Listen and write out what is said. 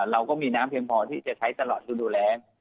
เราก็มีน้ำเพียงพอที่จะใช้ตลอดฤดูแรง